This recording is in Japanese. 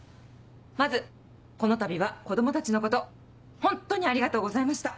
まずこのたびは子供たちのことホントにありがとうございました。